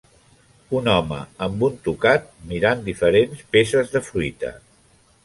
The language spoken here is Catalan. Un home amb un tocat mirant diferents peces de fruita.